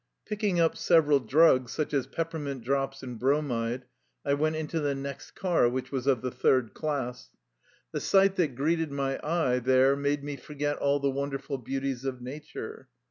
Picking up several drugs, such as pep permint drops and bromide, I went into the next car, which was of the third class. The sight that greeted my eye there made me forget all the wonderful beauties of nature.